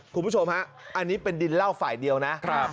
คุณผู้ชมฮะอันนี้เป็นดินเล่าฝ่ายเดียวนะ